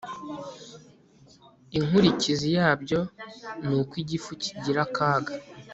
Inkurikizi yabyo ni uko igifu kigira akaga